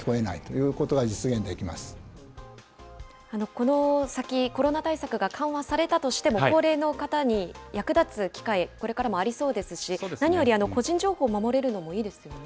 この先、コロナ対策が緩和されたとしても、高齢の方に役立つ機会、これからもありそうですし、何より、個人情報を守れるのもいいですよね。